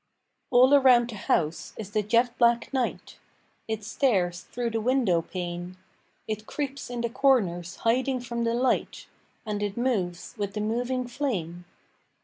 All around the house is the jet black night, It stares through the window pane, It creeps in the corners hiding from the light And it moves with the moving flame.